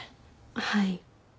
はい。